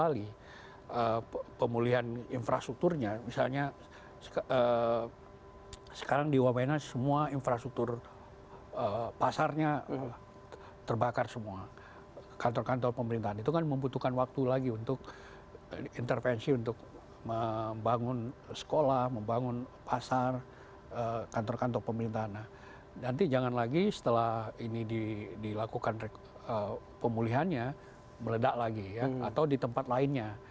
ledak lagi ya atau di tempat lainnya